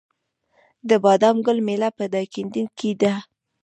د بادام ګل میله په دایکنډي کې ده.